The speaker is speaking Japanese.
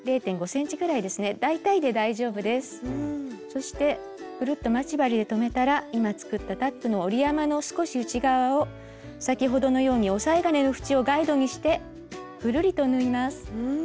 そしてぐるっと待ち針で留めたら今作ったタックの折り山の少し内側を先ほどのようにおさえ金のふちをガイドにしてぐるりと縫います。